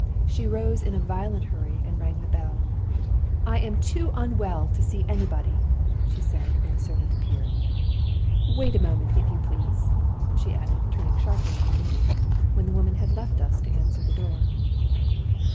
She rose in a violent hurry, and rang the bell. 'I am too unwell to see anybody,' she said, when the servant appeared. 'Wait a moment, if you please,' she added, turning sharply on me, when the woman had left us to answer the door.